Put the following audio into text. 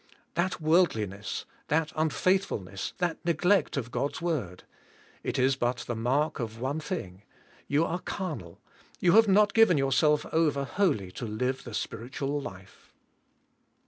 That v/orldliness, that uch faithfulness, that neglect of God's word. It is but the mark of one thing— j^ou are carnal, you have not g iven yourself over wholly to live the spiritual life.